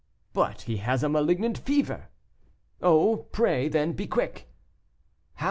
'But he has a malignant fever.' 'Oh, pray, then, be quick!' 'How!